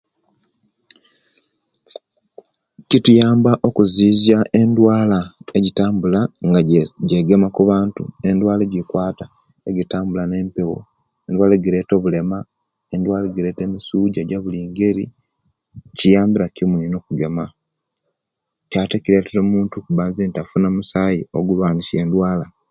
Kutuyamba okuziziya endwala ejitambula inga jegema kubantu endwala ejikuwata ejitambula nempewo endwala ejireta obulema endwala ejireta emisuja jubulingeri kiyambira kimu ino okugema ate kiretera omuntu okufuna omusayi ogulwanisiya buli ndwala